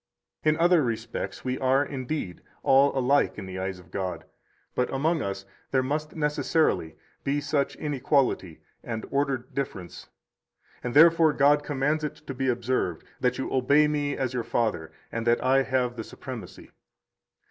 In other respects we are, indeed, all alike in the eyes of God; but among us there must necessarily be such inequality and ordered difference, and therefore God commands it to be observed, that you obey me as your father, and that I have the supremacy.